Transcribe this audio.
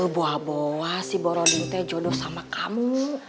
boa boa si broding teh jodoh sama kamu